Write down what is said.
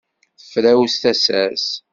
Tefrawes tasa-s.